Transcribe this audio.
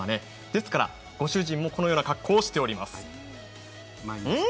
ですからご主人も、このような格好をしています。